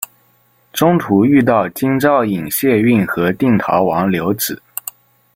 中途遇到京兆尹解恽和定陶王刘祉。